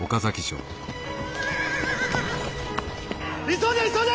急げ急げ！